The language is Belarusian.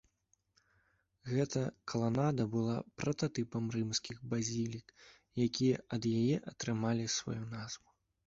Гэта каланада была прататыпам рымскіх базілік, якія ад яе атрымалі сваю назву.